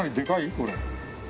これ。